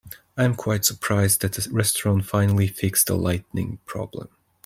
I am quite surprised that the restaurant finally fixed the lighting problem.